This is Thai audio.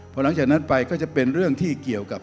พอหลังจากนั้นไปก็จะเป็นเรื่องที่เกี่ยวกับ